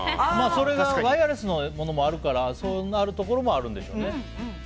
ワイヤレスのものもあるからそうなるところもあるんでしょうね。